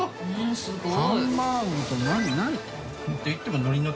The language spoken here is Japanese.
すごい